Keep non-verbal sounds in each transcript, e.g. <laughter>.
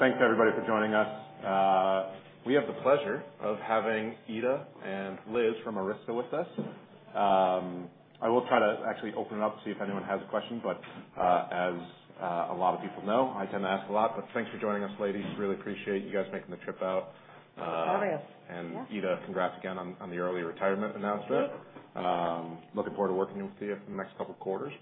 Thanks, everybody, for joining us. We have the pleasure of having Ita and Liz from Arista with us. I will try to actually open it up to see if anyone has a question, but, as a lot of people know, I tend to ask a lot. But thanks for joining us, ladies. Really appreciate you guys making the trip out. No worries. Ita, congrats again on the early retirement announcement. Thank you. Looking forward to working with you for the next couple quarters,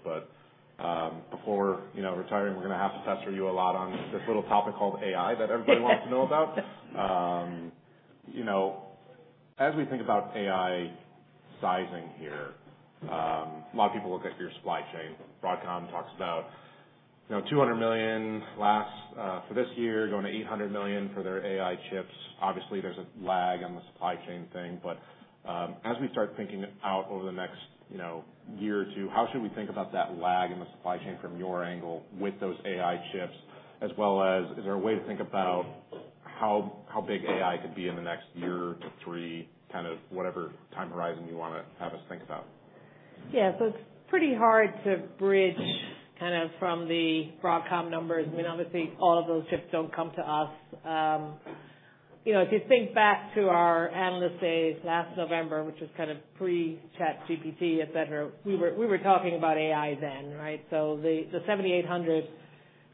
but before, you know, retiring, we're gonna have to pester you a lot on this little topic called AI that everybody wants to know about. You know, as we think about AI sizing here, a lot of people look at your supply chain. Broadcom talks about, you know, $200 million last for this year, going to $800 million for their AI chips. Obviously, there's a lag on the supply chain thing, but as we start thinking out over the next, you know, year or two, how should we think about that lag in the supply chain from your angle with those AI chips, as well as is there a way to think about how big AI could be in the next year to three, kind of whatever time horizon you wanna have us think about? Yeah. So it's pretty hard to bridge kind of from the Broadcom numbers. I mean, obviously, all of those chips don't come to us. You know, if you think back to our analyst days last November, which was kind of pre-ChatGPT, et cetera, we were talking about AI then, right? So the 7800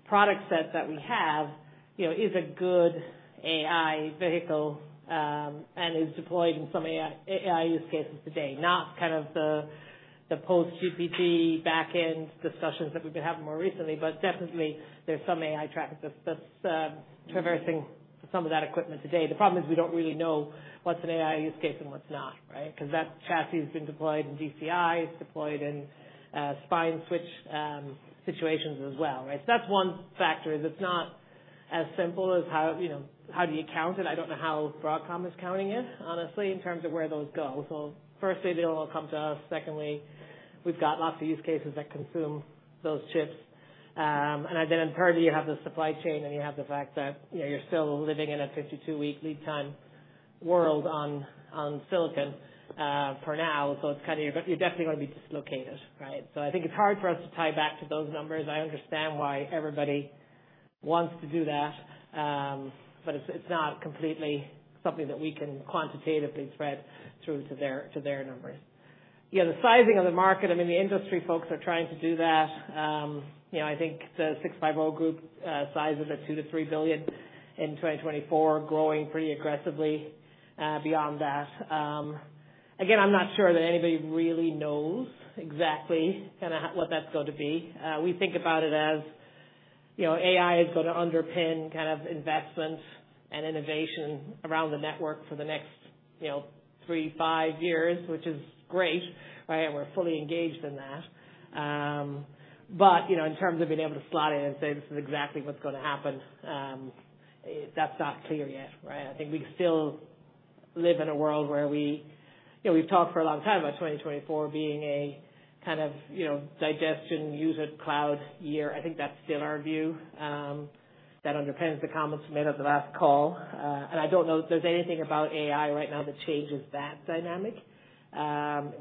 product set that we have, you know, is a good AI vehicle, and is deployed in some AI use cases today. Not kind of the post-GPT backend discussions that we've been having more recently, but definitely there's some AI traffic that's traversing some of that equipment today. The problem is we don't really know what's an AI use case and what's not, right? Because that chassis has been deployed in DCI, it's deployed in Spine Switch situations as well, right? So that's one factor, is it's not as simple as how, you know, how do you count it? I don't know how Broadcom is counting it, honestly, in terms of where those go. So firstly, they all come to us. Secondly, we've got lots of use cases that consume those chips. And again, in part, you have the supply chain, and you have the fact that, you know, you're still living in a 52-week lead time world on, on silicon, for now. So it's kinda, you're definitely going to be dislocated, right? So I think it's hard for us to tie back to those numbers. I understand why everybody wants to do that, but it's, it's not completely something that we can quantitatively thread through to their, to their numbers. Yeah, the sizing of the market, I mean, the industry folks are trying to do that. You know, I think the 650 Group sizes at $2 billion-$3 billion in 2024, growing pretty aggressively beyond that. Again, I'm not sure that anybody really knows exactly kinda what that's going to be. We think about it as, you know, AI is going to underpin kind of investment and innovation around the network for the next, you know, 3-5 years, which is great, right? We're fully engaged in that. But, you know, in terms of being able to slot in and say, "This is exactly what's going to happen," that's not clear yet, right? I think we still live in a world where we... You know, we've talked for a long time about 2024 being a kind of, you know, digestion, use it cloud year. I think that's still our view. That underpins the comments made at the last call, and I don't know if there's anything about AI right now that changes that dynamic.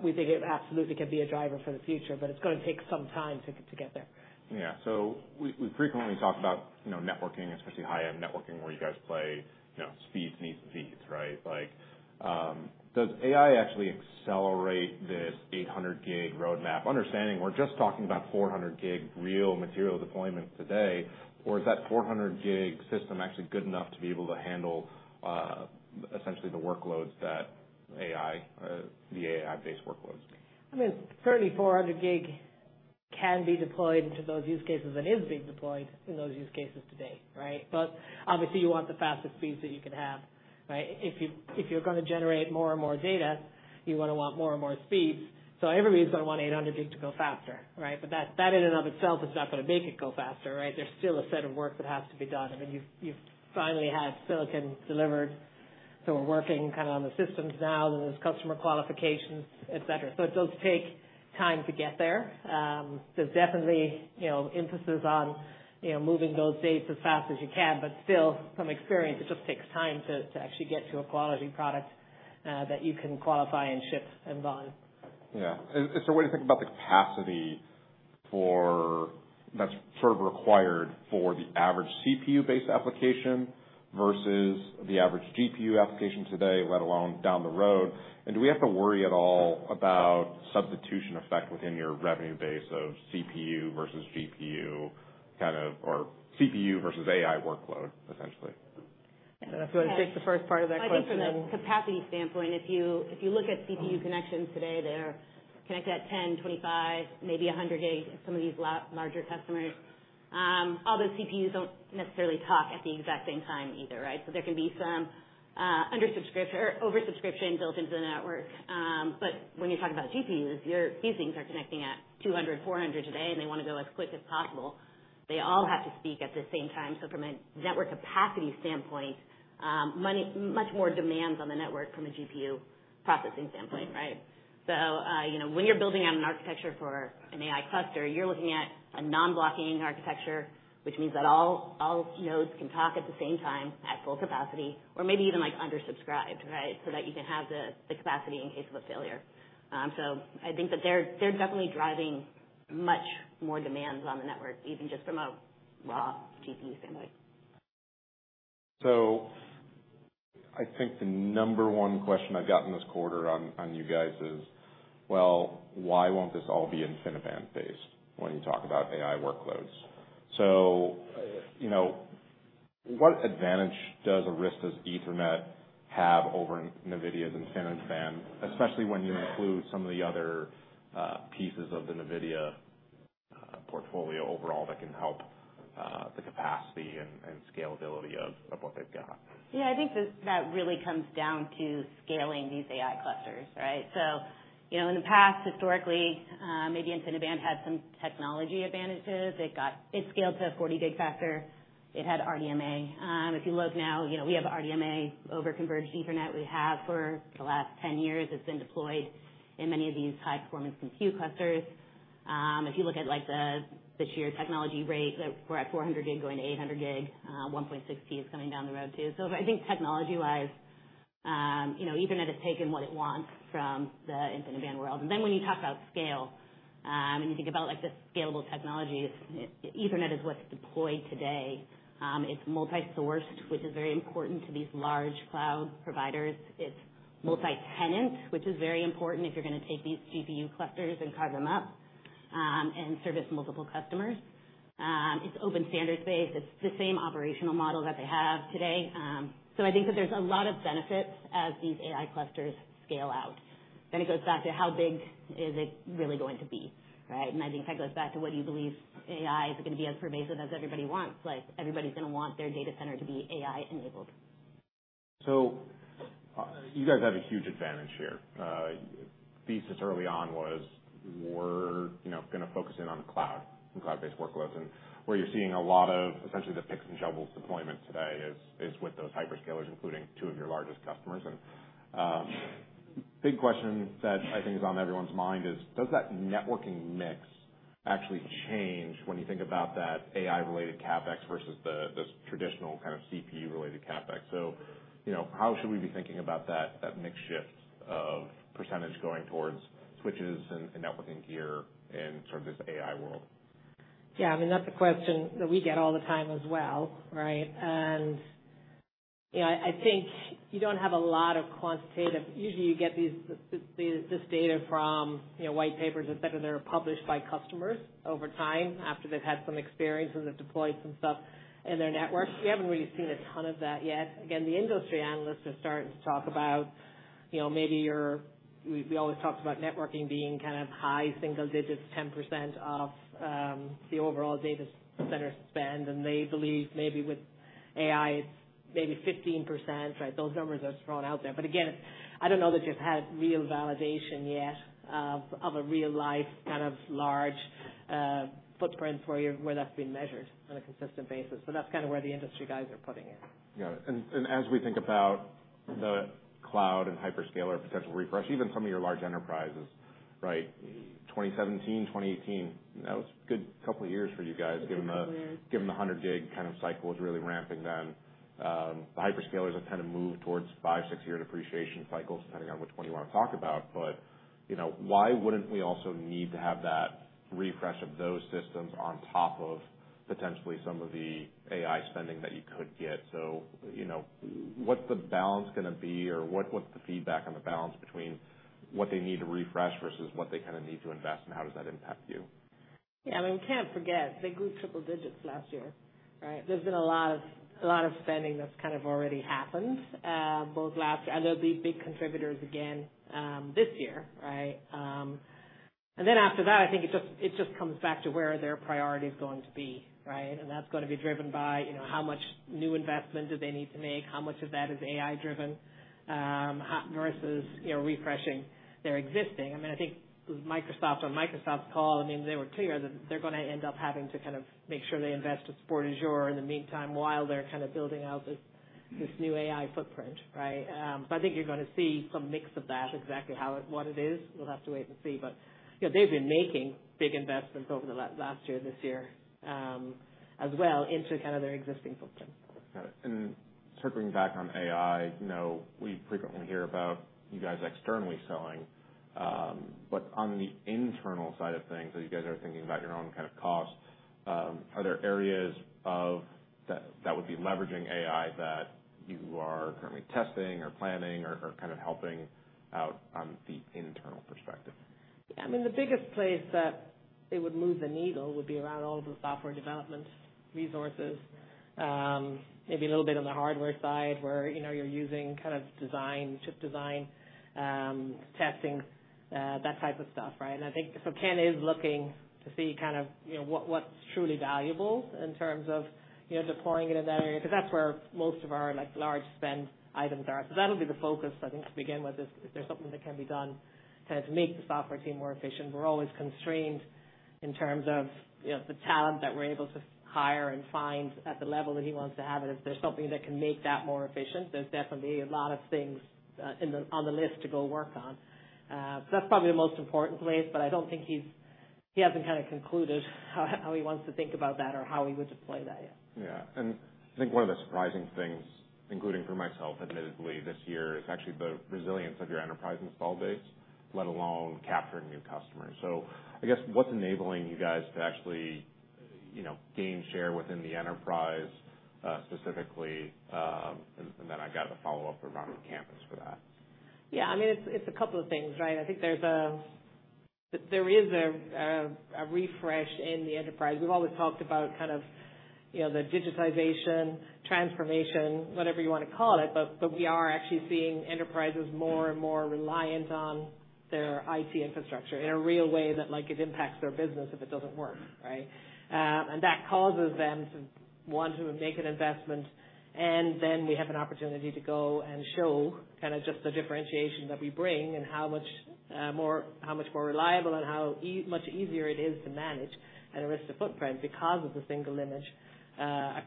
We think it absolutely can be a driver for the future, but it's going to take some time to get there. Yeah. So we frequently talk about, you know, networking, especially high-end networking, where you guys play, you know, speeds needs speeds, right? Like, does AI actually accelerate this 800G roadmap? Understanding we're just talking about 400G real material deployments today, or is that 400G system actually good enough to be able to handle essentially the workloads that AI, the AI-based workloads? I mean, currently 400G can be deployed into those use cases and is being deployed in those use cases today, right? But obviously, you want the fastest speeds that you can have, right? If you, if you're going to generate more and more data, you're gonna want more and more speeds. So everybody's going to want 800G to go faster, right? But that, that in and of itself is not going to make it go faster, right? There's still a set of work that has to be done. I mean, you've, you've finally had silicon delivered, so we're working kind of on the systems now, and there's customer qualifications, et cetera. So it does take time to get there. There's definitely, you know, emphasis on, you know, moving those dates as fast as you can, but still, from experience, it just takes time to actually get to a quality product that you can qualify and ship and volume. Yeah. So what do you think about the capacity for... that's sort of required for the average CPU-based application versus the average GPU application today, let alone down the road? Do we have to worry at all about substitution effect within your revenue base of CPU versus GPU, kind of, or CPU versus AI workload, essentially? I'm going to take the first part of that question then- I think from a capacity standpoint, if you, if you look at CPU connections today, they're connected at 10, 25, maybe 100 gig, some of these larger customers. All those CPUs don't necessarily talk at the exact same time either, right? So there can be some under subscription or oversubscription built into the network. But when you're talking about GPUs, these things are connecting at 200, 400 today, and they want to go as quick as possible. They all have to speak at the same time. So from a network capacity standpoint, much more demands on the network from a GPU processing standpoint, right? So, you know, when you're building out an architecture for an AI cluster, you're looking at a non-blocking architecture, which means that all nodes can talk at the same time at full capacity or maybe even, like, undersubscribed, right? So that you can have the capacity in case of a failure. So I think that they're definitely driving much more demands on the network, even just from a raw GPU standpoint. So I think the number one question I've gotten this quarter on you guys is, well, why won't this all be InfiniBand based when you talk about AI workloads? So, you know, what advantage does Arista's Ethernet have over NVIDIA's InfiniBand, especially when you include some of the other pieces of the NVIDIA portfolio overall that can help the capacity and scalability of what they've got? Yeah, I think that really comes down to scaling these AI clusters, right? So, you know, in the past, historically, maybe InfiniBand had some technology advantages. It scaled to 40G factor. It had RDMA. If you look now, you know, we have RDMA over Converged Ethernet. We have for the last 10 years, it's been deployed in many of these high-performance compute clusters. If you look at, like, the sheer technology rate, like we're at 400G going to 800G, 1.6T is coming down the road, too. So I think technology-wise, you know, Ethernet has taken what it wants from the InfiniBand world. And then when you talk about scale, and you think about, like, the scalable technologies, Ethernet is what's deployed today. It's multi-sourced, which is very important to these large cloud providers. It's multi-tenant, which is very important if you're going to take these GPU clusters and carve them up, and service multiple customers. It's open standards-based. It's the same operational model that they have today. So I think that there's a lot of benefits as these AI clusters scale out. Then it goes back to how big is it really going to be, right? And I think that goes back to what you believe AI is going to be as pervasive as everybody wants. Like, everybody's going to want their data center to be AI-enabled. So you guys have a huge advantage here. Thesis early on was we're, you know, going to focus in on the cloud and cloud-based workloads, and where you're seeing a lot of essentially the picks and shovels deployment today is with those hyperscalers, including two of your largest customers. And, big question that I think is on everyone's mind is, does that networking mix actually change when you think about that AI-related CapEx versus the traditional kind of CPU-related CapEx? So, you know, how should we be thinking about that mix shift of percentage going towards switches and networking gear in sort of this AI world? Yeah, I mean, that's a question that we get all the time as well, right? And, you know, I think you don't have a lot of quantitative—usually, you get this data from, you know, white papers, et cetera, that are published by customers over time, after they've had some experience and have deployed some stuff in their network. We haven't really seen a ton of that yet. Again, the industry analysts are starting to talk about, you know, maybe we always talked about networking being kind of high single digits, 10% of the overall data center spend, and they believe maybe with AI, it's maybe 15%, right? Those numbers are thrown out there, but again, I don't know that you've had real validation yet of a real-life kind of large footprint where that's been measured on a consistent basis, but that's kind of where the industry guys are putting it. Got it. And as we think about the cloud and hyperscaler potential refresh, even some of your large enterprises, right? 2017, 2018, that was a good couple of years for you guys, given the, given the 100G kind of cycle was really ramping then. The hyperscalers have kind of moved towards 5-6-year depreciation cycles, depending on which one you want to talk about. But, you know, why wouldn't we also need to have that refresh of those systems on top of potentially some of the AI spending that you could get? So, you know, what's the balance going to be, or what, what's the feedback on the balance between what they need to refresh versus what they kind of need to invest, and how does that impact you? Yeah, I mean, we can't forget they grew triple digits last year, right? There's been a lot of, a lot of spending that's kind of already happened, and they'll be big contributors again this year, right? And then after that, I think it just, it just comes back to where their priority is going to be, right? And that's going to be driven by, you know, how much new investment do they need to make? How much of that is AI driven, hot versus, you know, refreshing their existing? I mean, I think Microsoft, on Microsoft's call, I mean, they were clear that they're going to end up having to kind of make sure they invest to support Azure in the meantime, while they're kind of building out this, this new AI footprint, right? So I think you're going to see some mix of that. Exactly how it, what it is, we'll have to wait and see. But, you know, they've been making big investments over the last year, this year, as well into kind of their existing footprint. Got it. And circling back on AI, you know, we frequently hear about you guys externally selling, but on the internal side of things, so you guys are thinking about your own kind of costs, are there areas of that that would be leveraging AI that you are currently testing or planning or kind of helping out on the internal perspective? Yeah, I mean, the biggest place that it would move the needle would be around all of the software development resources. Maybe a little bit on the hardware side, where, you know, you're using kind of design, chip design, testing, that type of stuff, right? And I think, so Ken is looking to see kind of, you know, what's truly valuable in terms of, you know, deploying it in that area, because that's where most of our, like, large spend items are. So that'll be the focus, I think, to begin with, is there something that can be done kind of to make the software team more efficient? We're always constrained in terms of, you know, the talent that we're able to hire and find at the level that he wants to have it. If there's something that can make that more efficient, there's definitely a lot of things on the list to go work on. So that's probably the most important place, but I don't think he hasn't kind of concluded how he wants to think about that or how we would deploy that yet. Yeah. And I think one of the surprising things, including for myself, admittedly, this year, is actually the resilience of your enterprise install base, let alone capturing new customers. So I guess, what's enabling you guys to you know, gain share within the enterprise, specifically, and then I got a follow-up around campus for that. Yeah, I mean, it's a couple of things, right? I think there's a refresh in the enterprise. We've always talked about kind of, you know, the digitization, transformation, whatever you want to call it, but we are actually seeing enterprises more and more reliant on their IT infrastructure in a real way that, like, it impacts their business if it doesn't work, right? And that causes them to want to make an investment, and then we have an opportunity to go and show kind of just the differentiation that we bring and how much more reliable and how much easier it is to manage an Arista footprint because of the single image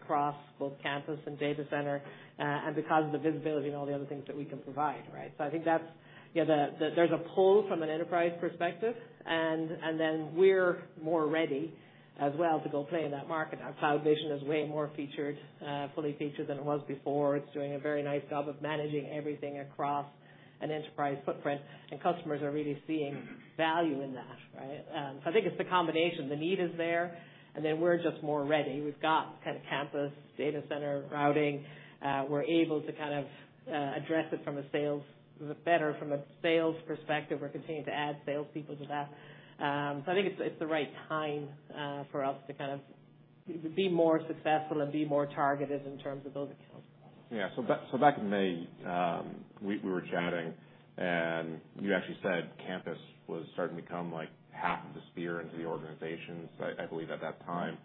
across both campus and data center, and because of the visibility and all the other things that we can provide, right? I think that's it. Yeah, there's a pull from an enterprise perspective, and then we're more ready as well to go play in that market. Our CloudVision is way more featured, fully featured than it was before. It's doing a very nice job of managing everything across an enterprise footprint, and customers are really seeing value in that, right? I think it's the combination. The need is there, and then we're just more ready. We've got kind of campus, data center, routing. We're able to kind of address it better from a sales perspective. We're continuing to add salespeople to that. I think it's the right time for us to kind of be more successful and be more targeted in terms of those accounts. Yeah. So back in May, we were chatting, and you actually said campus was starting to become, like, half the spend into the organizations, I believe, at that time.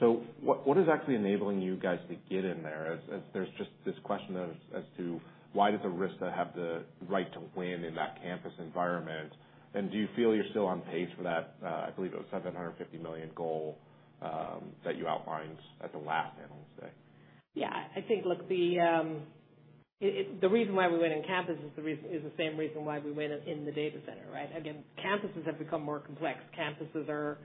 So what is actually enabling you guys to get in there? As there's just this question as to why does Arista have the right to win in that campus environment, and do you feel you're still on pace for that $750 million goal that you outlined at the last Analyst Day? Yeah, I think, look, The reason why we win in campus is the same reason why we win in the data center, right? Again, campuses have become more complex. Campuses are,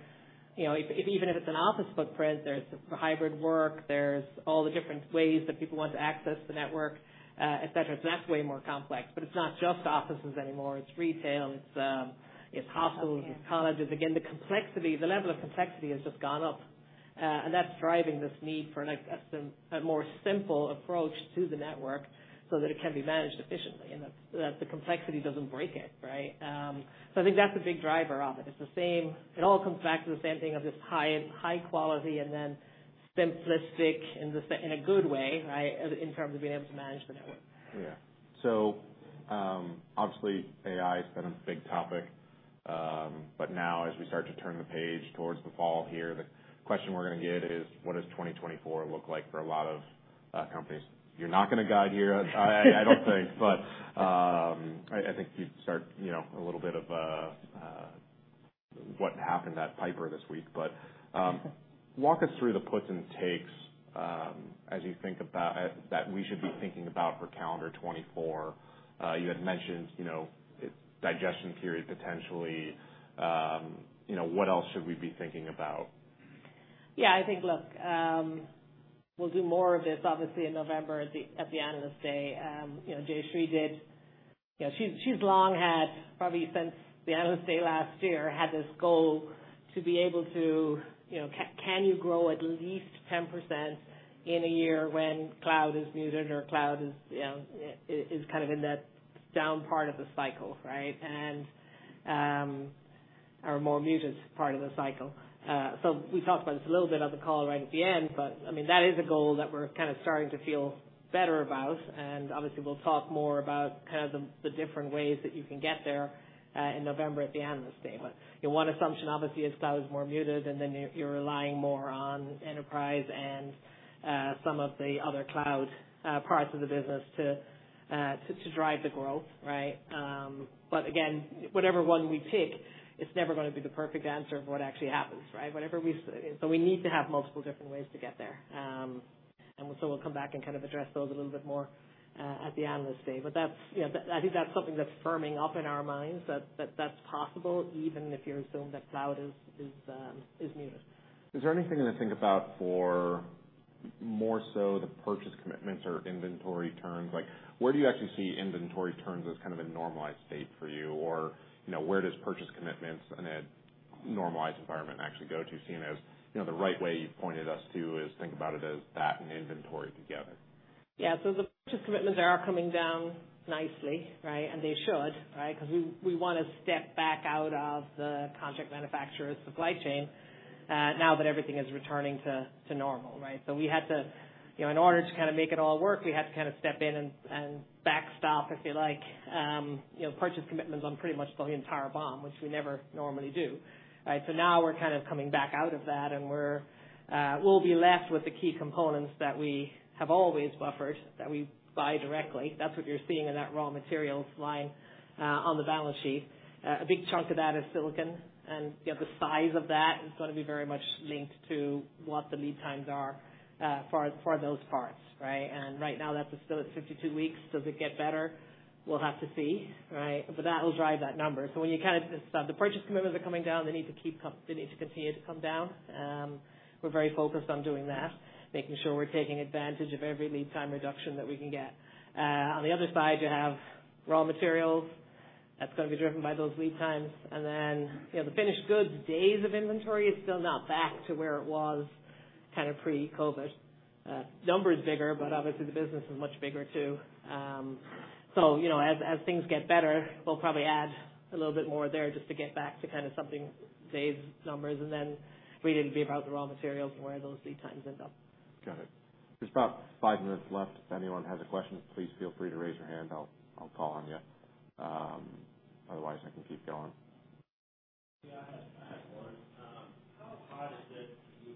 you know, even if it's an office footprint, there's the hybrid work, there's all the different ways that people want to access the network, etc. So that's way more complex, but it's not just offices anymore, it's retail, it's hospitals, it's colleges. Again, the complexity, the level of complexity has just gone up, and that's driving this need for a more simple approach to the network so that it can be managed efficiently, and that, the complexity doesn't break it, right? So I think that's a big driver of it. It's the same - it all comes back to the same thing of just high, high quality and then simplistic in a good way, right, in terms of being able to manage the network. Yeah. So, obviously, AI has been a big topic, but now as we start to turn the page towards the fall here, the question we're going to get is: What does 2024 look like for a lot of companies? You're not going to guide here, I don't think. But, I think you'd start, you know, a little bit of what happened at Piper this week. But, walk us through the puts and takes, as you think about that we should be thinking about for calendar 2024. You had mentioned, you know, digestion period, potentially. You know, what else should we be thinking about? Yeah, I think, look, we'll do more of this, obviously, in November at the Analyst Day. You know, Jayshree did... You know, she, she's long had, probably since the Analyst Day last year, had this goal to be able to, you know, can you grow at least 10% in a year when cloud is muted or cloud is, you know, is, is kind of in that down part of the cycle, right? And, or more muted part of the cycle. So we talked about this a little bit on the call right at the end, but, I mean, that is a goal that we're kind of starting to feel better about, and obviously, we'll talk more about kind of the, the different ways that you can get there, in November at the Analyst Day. But, you know, one assumption, obviously, is cloud is more muted, and then you're relying more on enterprise and some of the other cloud parts of the business to drive the growth, right? But again, whatever one we take, it's never going to be the perfect answer of what actually happens, right? So we need to have multiple different ways to get there. And so we'll come back and kind of address those a little bit more at the Analyst Day. But that's, you know, I think that's something that's firming up in our minds, that that's possible, even if you assume that cloud is muted. Is there anything to think about for more so the purchase commitments or inventory turns? Like, where do you actually see inventory turns as kind of a normalized state for you? Or, you know, where does purchase commitments in a normalized environment actually go to, seen as, you know, the right way you've pointed us to is think about it as that and inventory together. Yeah, so the purchase commitments are coming down nicely, right? And they should, right? Because we want to step back out of the contract manufacturers supply chain, now that everything is returning to normal, right? So we had to... You know, in order to kind of make it all work, we had to kind of step in and backstop, if you like, you know, purchase commitments on pretty much the entire BOM, which we never normally do, right? So now we're kind of coming back out of that, and we're, we'll be left with the key components that we have always buffered, that we buy directly. That's what you're seeing in that raw materials line, on the balance sheet. A big chunk of that is silicon, and you know, the size of that is going to be very much linked to what the lead times are for those parts, right? And right now, that's still at 52 weeks. Does it get better? We'll have to see, right? But that will drive that number. So the purchase commitments are coming down. They need to continue to come down. We're very focused on doing that, making sure we're taking advantage of every lead time reduction that we can get. On the other side, you have raw materials, that's gonna be driven by those lead times. And then, you know, the finished goods, days of inventory is still not back to where it was kind of pre-COVID. Number is bigger, but obviously the business is much bigger, too. So, you know, as things get better, we'll probably add a little bit more there just to get back to kind of something, days numbers, and then we need to be about the raw materials and where those lead times end up. Got it. There's about five minutes left. If anyone has a question, please feel free to raise your hand. I'll call on you. Otherwise I can keep going. you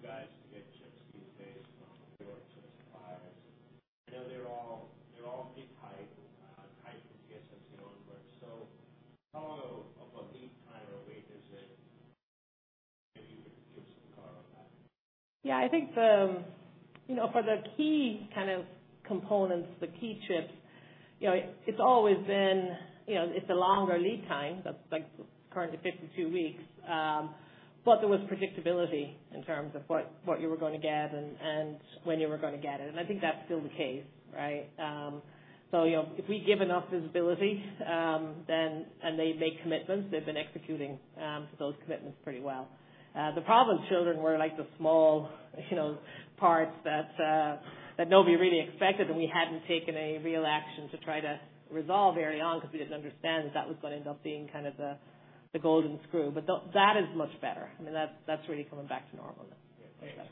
guys to get chips these days from your suppliers? I know they're all, they're all pretty tight, tight with TSMC on board. So how long of a lead time or wait is it? <audio distortion> Yeah, I think, you know, for the key kind of components, the key chips, you know, it's always been, you know, it's a longer lead time. That's like currently 52 weeks. But there was predictability in terms of what you were going to get and when you were going to get it. And I think that's still the case, right? So, you know, if we give enough visibility, then... And they make commitments, they've been executing those commitments pretty well. The problem children we're like the small, you know, parts that nobody really expected, and we hadn't taken a real action to try to resolve early on, because we didn't understand that that was going to end up being kind of the golden screw. But that is much better. I mean, that's, that's really coming back to normal now. Yeah, thanks.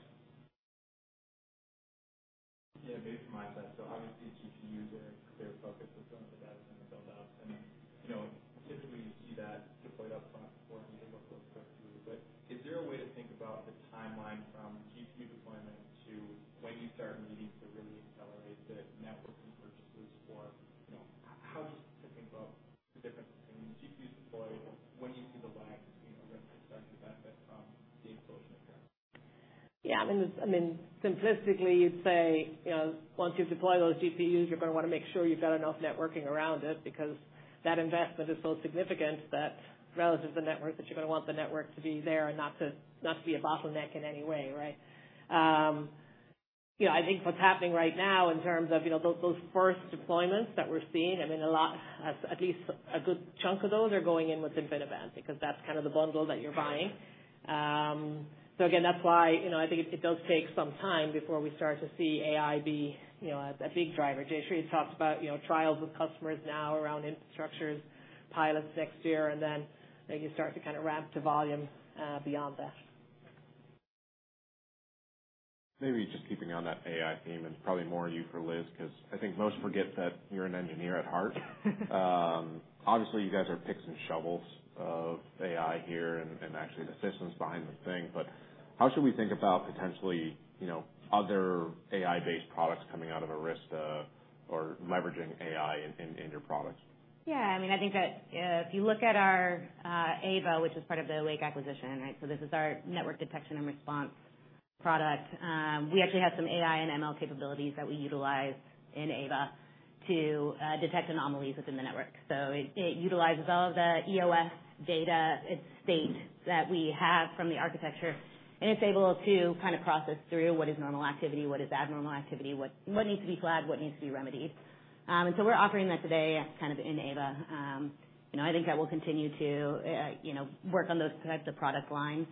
Yeah, maybe from my side. So obviously, So again, that's why, you know, I think it does take some time before we start to see AI be, you know, a big driver. Jayshree talks about, you know, trials with customers now around infrastructures, pilots next year, and then you start to kind of ramp to volume beyond that. Maybe just keeping on that AI theme, and probably more you for Liz, because I think most forget that you're an engineer at heart. Obviously, you guys are picks and shovels of AI here and, and actually the systems behind the thing. But how should we think about potentially, you know, other AI-based products coming out of Arista or leveraging AI in, in, in your products? Yeah, I mean, I think that, if you look at our AVA, which is part of the Awake acquisition, right? So this is our network detection and response product. We actually have some AI and ML capabilities that we utilize in AVA to detect anomalies within the network. So it utilizes all of the EOS data, its state that we have from the architecture, and it's able to kind of process through what is normal activity, what is abnormal activity, what needs to be flagged, what needs to be remedied. And so we're offering that today kind of in AVA. You know, I think I will continue to work on those types of product lines,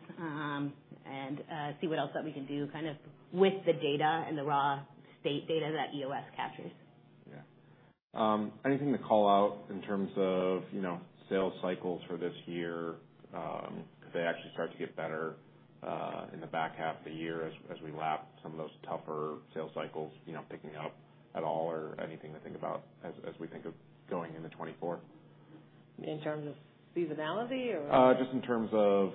and see what else that we can do kind of with the data and the raw state data that EOS captures. Yeah. Anything to call out in terms of, you know, sales cycles for this year? Do they actually start to get better in the back half of the year as, as we lap some of those tougher sales cycles, you know, picking up at all or anything to think about as, as we think of going into 2024? In terms of seasonality or? Just in terms of,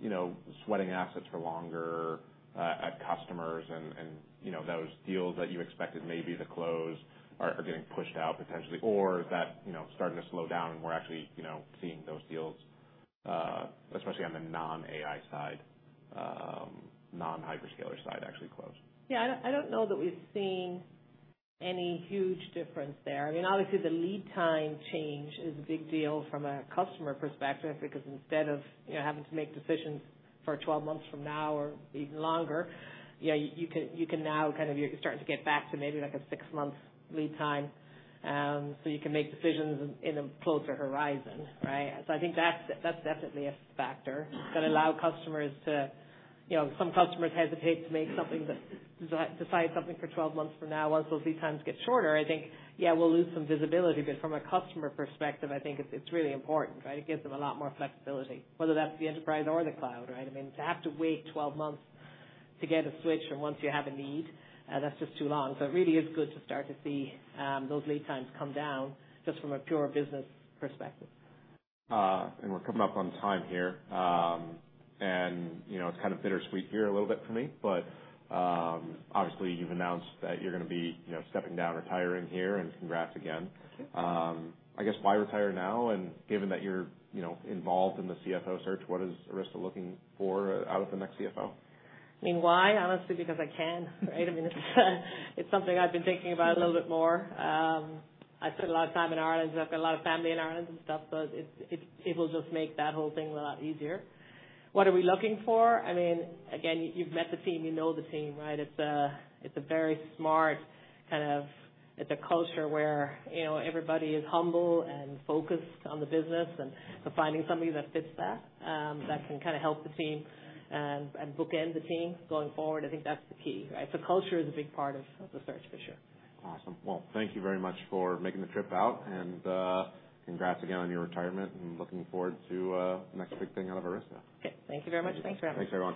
you know, sweating assets for longer, at customers and you know, those deals that you expected maybe to close are getting pushed out potentially, or is that, you know, starting to slow down and we're actually, you know, seeing those deals, especially on the non-AI side, non-hyperscaler side, actually close? Yeah, I don't, I don't know that we've seen any huge difference there. I mean, obviously the lead time change is a big deal from a customer perspective, because instead of, you know, having to make decisions for 12 months from now or even longer, yeah, you can, you can now kind of... You're starting to get back to maybe like a 6-month lead time, so you can make decisions in a closer horizon, right? So I think that's, that's definitely a factor that allow customers to, you know, some customers hesitate to decide something for 12 months from now. Once those lead times get shorter, I think, yeah, we'll lose some visibility, but from a customer perspective, I think it's, it's really important, right? It gives them a lot more flexibility, whether that's the enterprise or the cloud, right? I mean, to have to wait 12 months to get a switch, and once you have a need, that's just too long. So it really is good to start to see, those lead times come down, just from a pure business perspective. We're coming up on time here. You know, it's kind of bittersweet here a little bit for me, but obviously, you've announced that you're going to be, you know, stepping down, retiring here, and congrats again. Thank you. I guess, why retire now? And given that you're, you know, involved in the CFO search, what is Arista looking for out of the next CFO? I mean, why? Honestly, because I can, right? I mean, it's something I've been thinking about a little bit more. I've spent a lot of time in Ireland, so I've got a lot of family in Ireland and stuff, but it will just make that whole thing a lot easier. What are we looking for? I mean, again, you've met the team. You know the team, right? It's a very smart kind of... It's a culture where, you know, everybody is humble and focused on the business and so finding somebody that fits that, that can kind of help the team and bookend the team going forward, I think that's the key, right? So culture is a big part of the search, for sure. Awesome. Well, thank you very much for making the trip out, and congrats again on your retirement, and looking forward to the next big thing out of Arista. Okay. Thank you very much. Thanks, everyone. Thanks, everyone.